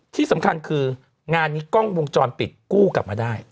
ที่สำคัญคืองานนี้กล้องวงจรปิดกู้กลับมาได้